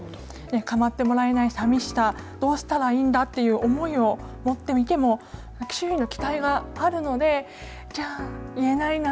構ってもらえない寂しさどうしたらいいんだという思いを持っていても周囲の期待があるのでじゃあ言えないな。